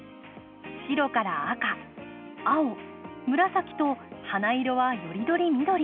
白から赤青紫と花色はより取り見取り。